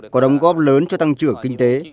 có đóng góp lớn cho tăng trưởng kinh tế